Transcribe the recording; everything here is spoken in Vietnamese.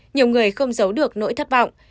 nhiều người không giấu được nỗi thất vọng